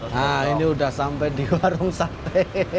nah ini udah sampai di warung sate